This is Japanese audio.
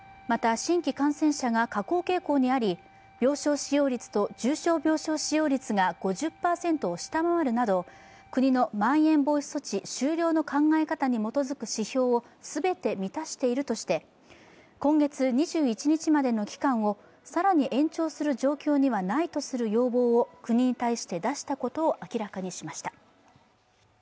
また、新規感染者が下降傾向にあり病床使用率と重症病床使用率が５０％を下回るなど国のまん延防止措置終了の考え方に基づく指標を全て満たしているとして、今月２１日までの期間を更に延長する状況にはないとする要望を国に対して出したことを明らかにしました。